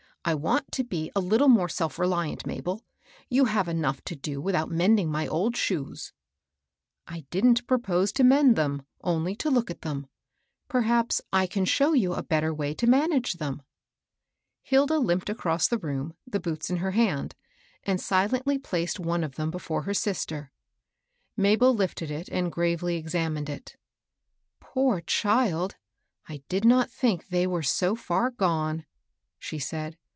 I want to be a little more self reliant, Mabel. You have enough to do without mending my old shoes." I didn't propose to mend thena, only to look at them. Perhaps I can show you a better way to manage them." Hilda limped across the room, the boots in her hand, and silently placed one of them before her sister. Mabel lifted and gravely examined it. *' Poor child I I did not think they were so far gone," she said.